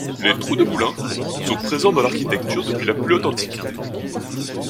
Les trous de boulin sont présents dans l'architecture depuis la plus haute Antiquité.